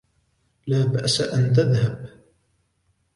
لا بأس أن تذهب.